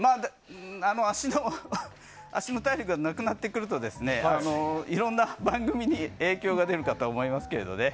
足の体力がなくなってくるといろんな番組に影響が出るかと思いますけどね。